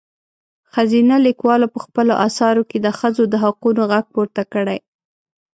ښځينه لیکوالو په خپلو اثارو کې د ښځو د حقونو غږ پورته کړی.